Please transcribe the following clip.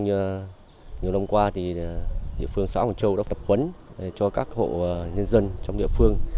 nhiều năm qua thì địa phương xã hồ châu đã tập quấn cho các hộ nhân dân trong địa phương